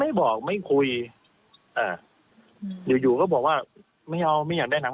แล้วเขาก็มาว่ามาว่ามือนี่นั่น